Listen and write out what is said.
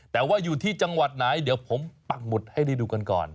แต่ว่าอยู่ที่จังหวัดไหนเดี๋ยวผมปักหมุดให้ได้ดูกันก่อน